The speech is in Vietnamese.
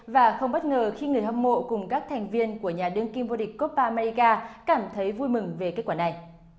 và không bất ngờ khi người hâm mộ cùng các thành viên của nhà đương kim vô địch copayca cảm thấy vui mừng về kết quả này